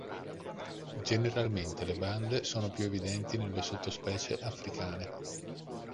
Generalmente le bande sono più evidenti nelle sottospecie africane.